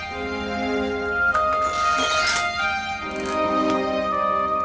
d eran jadi dua buamin